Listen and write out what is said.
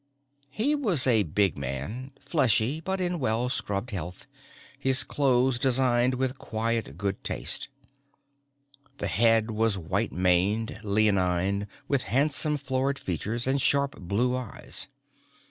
He was a big man, fleshy but in well scrubbed health, his clothes designed with quiet good taste. The head was white maned, leonine, with handsome florid features and sharp blue eyes.